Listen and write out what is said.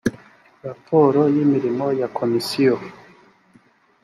raporo y imirimo ya komisiyo